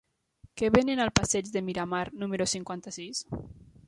Què venen al passeig de Miramar número cinquanta-sis?